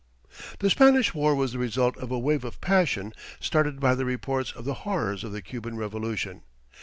The Spanish War was the result of a wave of passion started by the reports of the horrors of the Cuban Revolution.